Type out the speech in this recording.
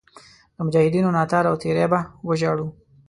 د مجاهدینو ناتار او تېری به وژاړو.